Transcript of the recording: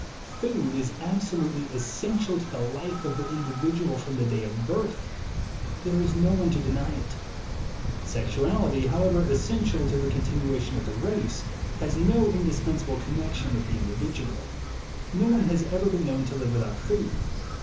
Food is absolutely essential to the life of the individual, from the day of birth. There is no one to deny it. Sexualit3% however essential to the continuation of the race, has no indispensable connection with the individual. No one has ever been known to live without food.